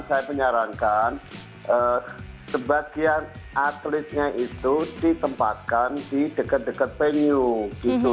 saya menyarankan sebagian atletnya itu ditempatkan di dekat dekat venue gitu